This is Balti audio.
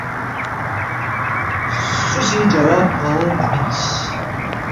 ”سُو سی جواب کھوانگ مہ مِنس